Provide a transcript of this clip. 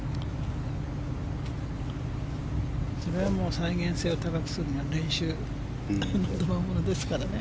それは再現性を高くするには練習の賜物ですからね。